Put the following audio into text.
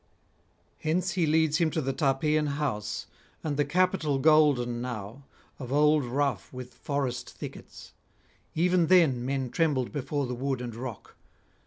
Hence he leads him to the Tarpeian house, and the Capitol golden now, of old rough with forest thickets. Even then men trembled before the wood and rock.